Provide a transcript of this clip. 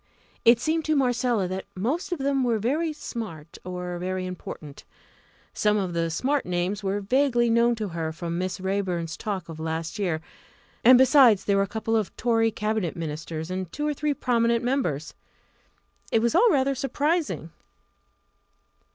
It seemed to Marcella that most of them were very "smart" or very important. Some of the smart names were vaguely known to her from Miss Raeburn's talk of last year; and, besides, there were a couple of Tory Cabinet ministers and two or three prominent members. It was all rather surprising.